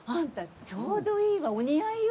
ちょうどいいわお似合いよ？